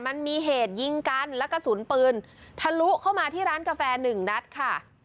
มันมีเหตุยิงกันและกระสุนปืนทะลุเข้ามาที่ร้านกาแฟหนึ่งนัดค่ะ